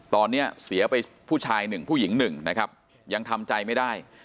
ตอนเนี่ยเสียไปผู้ชาย๑ผู้หญิง๑นะครับยังทำใจไม่ได้